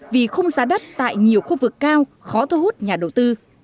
vì khung giá đất tại nhiều khu vực cao khó thu hút nhà đầu tư